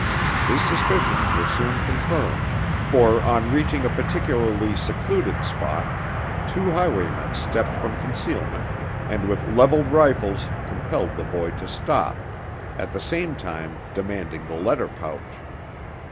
His suspicions were soon confirmed, for on reaching a particularly secluded spot, two highwaymen stepped from concealment, and with leveled rifles compelled the boy to stop, at the same time demanding the letter pouch.